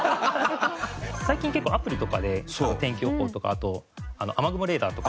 最近結構アプリとかで天気予報とかあと雨雲レーダーとか。